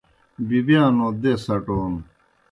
بِبِیانو دیس اٹون